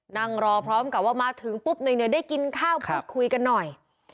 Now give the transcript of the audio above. นั่งรอพร้อมกับว่ามาถึงปุ๊บเหนื่อยได้กินข้าวพูดคุยกันหน่อย